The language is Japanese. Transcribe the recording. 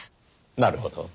なるほど。